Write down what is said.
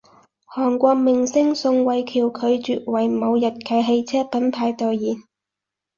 韓國明星宋慧喬拒絕爲某日企汽車品牌代言